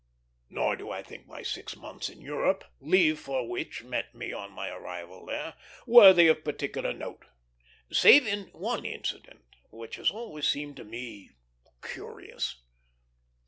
Nor do I think my six months in Europe, leave for which met me on my arrival there, worthy of particular note, save in one incident which has always seemed to me curious.